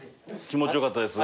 気持ち良かったです。